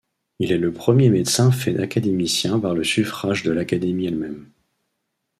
Il est le premier médecin fait académicien par le suffrage de l’Académie elle-même.